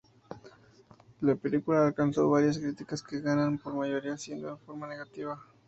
La película alcanzó varias críticas que ganan por mayoría siendo en forma negativa.